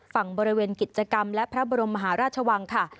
ฝั่งบริเวณกิจกรรมและพระบรมมหาราชวังค่ะ